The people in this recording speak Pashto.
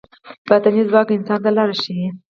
باطني ځواک انسان ته لار ښيي.